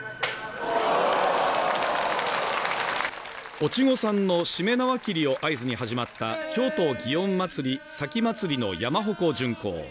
お稚児さんのしめ縄切りを合図に始まった京都祇園祭前祭の山鉾巡行。